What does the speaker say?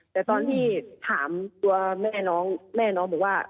แต่ตอนที่ถามตัวแม่น้องแม่น้องบอกว่า